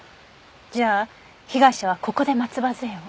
じゃあ被害者はここで松葉杖を。